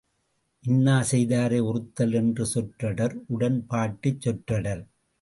இன்னாசெய்தாரை ஒறுத்தல் என்ற சொற்றொடர் உடன்பாட்டுச் சொற்றொடர்.